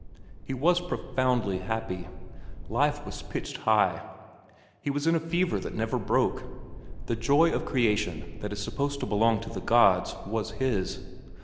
He was profoundly happy. Life was pitched high. He was in a fever that never broke. The joy of creation that is supposed to belong to the gods was his.